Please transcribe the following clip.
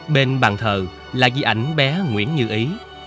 bên bàn thờ là di ảnh bé nguyễn như ý